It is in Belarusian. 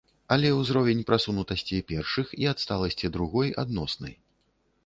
Але ўзровень прасунутасці першых і адсталасці другой адносны.